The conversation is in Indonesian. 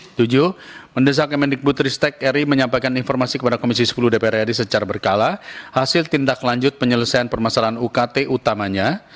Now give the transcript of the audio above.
ketujuh mendesak kemendikbud ristek ri menyampaikan informasi kepada komisi sepuluh dpr ri secara berkala hasil tindak lanjut penyelesaian permasalahan ukt utamanya